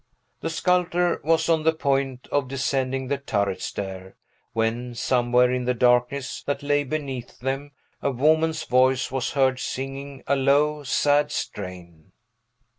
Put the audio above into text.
The sculptor was on the point of descending the turret stair, when, somewhere in the darkness that lay beneath them, a woman's voice was heard, singing a low, sad strain.